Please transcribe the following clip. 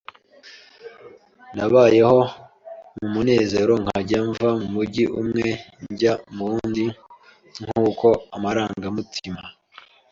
Nabayeho mu ruzerero, nkajya mva mu mujyi umwe njya mu wundi nk’uko amarangamutima